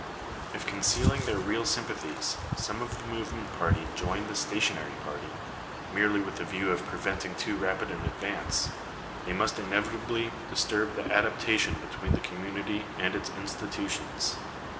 If, concealing their real sympathies, some of the [ movement party join the stationary party, merely with the view ! of preventing too rapid an advance, they must inevitably dis > turb the adaptation between the community and its institutions.